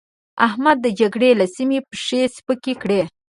احمد د جګړې له سيمې پښې سپکې کړې.